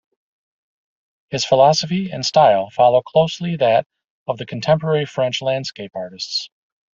His philosophy and style follow closely that of the contemporary French landscape artists.